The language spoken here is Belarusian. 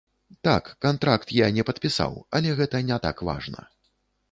Так, кантракт я не падпісаў, але гэта не так важна.